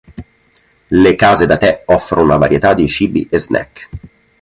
Le case da tè offrono una varietà di cibi e snack.